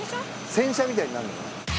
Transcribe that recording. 洗車みたいになるのかな？